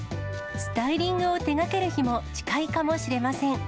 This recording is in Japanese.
スタイリングを手がける日も近いかもしれません。